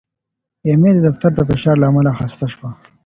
ایمي د دفتر د فشار له امله خسته شوه.